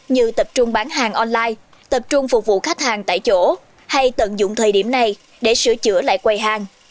như tập trung bán hàng online tập trung phục vụ khách hàng tại chỗ hay tận dụng thời điểm này để sửa chữa lại quầy hàng